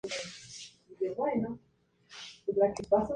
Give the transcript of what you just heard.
McMahon", arquetipo del jefe cruel.